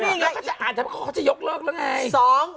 แล้วก็จะอ่านทำข้อจะยกเลิกแล้วไง